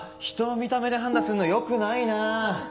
ひとを見た目で判断するのよくないなぁ。